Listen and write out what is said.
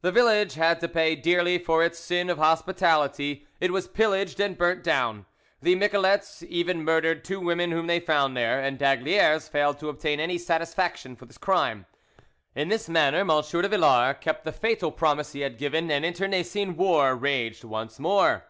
The village had to pay dearly for its sin of hospitality; it was pillaged and burnt down: the miquelets even murdered two women whom they found there, and d'Aygaliers failed to obtain any satisfaction for this crime. In this manner M. de Villars kept the fatal promise he had given, and internecine war raged once more.